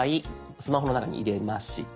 スマホの中に入れました。